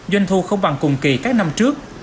doanh thu không bằng cùng kỳ các năm trước